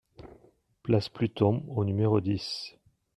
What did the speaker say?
Place Pluton au numéro dix